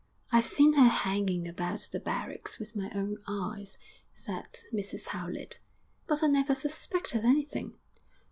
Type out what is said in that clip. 'I've seen her hanging about the barracks with my own eyes,' said Mrs Howlett, 'but I never suspected anything.'